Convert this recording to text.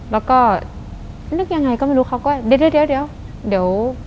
แล้วก็นึกยังไงก็ไม่รู้เขาก็เดี๋ยวเดี๋ยว